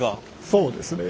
そうですね。